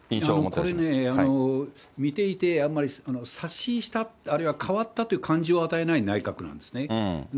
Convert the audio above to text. これね、見ていてあんまり刷新した、あるいは変わったという感じを与えない内閣なんですね。